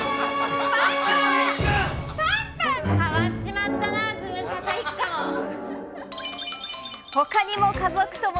変わっちまったな、ズムサタ一家も。